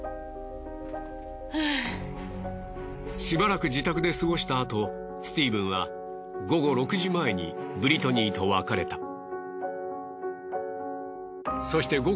しばらく自宅で過ごしたあとスティーブンは午後６時前にブリトニーと別れた。